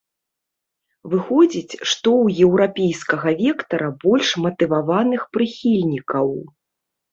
Выходзіць, што ў еўрапейскага вектара больш матываваных прыхільнікаў?